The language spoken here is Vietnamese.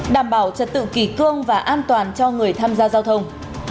đảm bảo trật tự kỳ cương và an toàn cho người tham gia giao thông